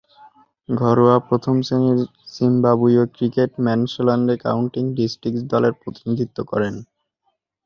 ঘরোয়া প্রথম-শ্রেণীর জিম্বাবুয়ীয় ক্রিকেটে ম্যাশোনাল্যান্ড কাউন্টি ডিস্ট্রিক্টস দলের প্রতিনিধিত্ব করেন।